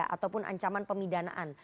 ataupun ancaman pemidanaan